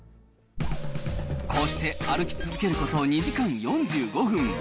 こうして歩き続けること２時間４５分。